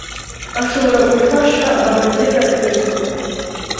Ashobora gufasha abageragezwa.